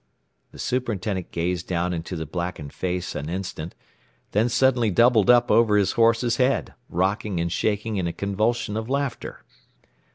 The superintendent gazed down into the blackened face an instant, then suddenly doubled up over his horse's head, rocking and shaking in a convulsion of laughter.